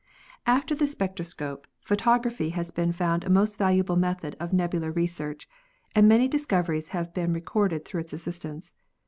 After the spectroscope, photography has been found a most valuable method of nebular research, and many discoveries have been recorded through its assistance.